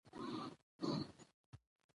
زده کړه د بریا لاره ده